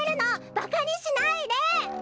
ばかにしないで！